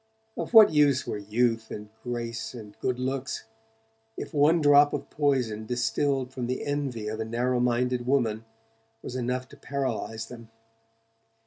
Of what use were youth and grace and good looks, if one drop of poison distilled from the envy of a narrow minded woman was enough to paralyze them?